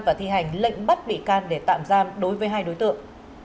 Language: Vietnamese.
và thi hành lệnh bắt bị can để tạm giam đối với hai đối tượng